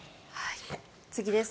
次です。